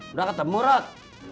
udah ketemu rod